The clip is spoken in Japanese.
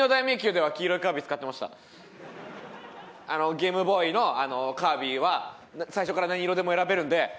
ゲームボーイの『カービィ』は最初から何色でも選べるんで。